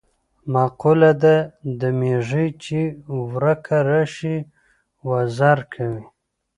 مقوله ده: د میږي چې ورکه راشي وزر کوي.